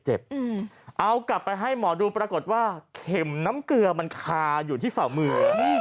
เอากลับไปให้หมอดูปรากฏว่าเข็มน้ำเกลือมันคาอยู่ที่ฝ่ามือ